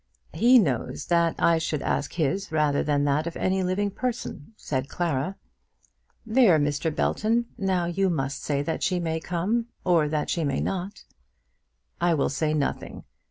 "He knows that I should ask his rather than that of any living person," said Clara. "There, Mr. Belton. Now you must say that she may come; or that she may not." "I will say nothing.